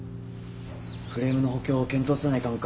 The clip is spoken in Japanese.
フレームの補強を検討せないかんか。